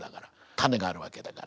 種があるわけだから。